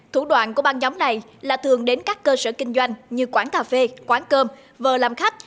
thủ đoạn của băng nhóm này là thường đến các cơ sở kinh doanh như quán cà phê quán cơm vờ làm khách